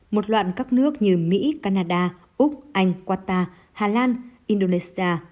một loạt các nước như mỹ canada úc anh qatar hà lan indonesia